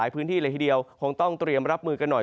พื้นที่เลยทีเดียวคงต้องเตรียมรับมือกันหน่อย